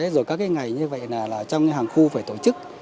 rồi các cái ngày như vậy là trong cái hàng khu phải tổ chức